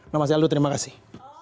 nama saya aldo terima kasih